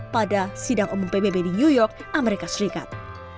pada sidang umum pbb di new york amerika serikat